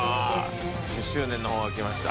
１０周年の方が来ました。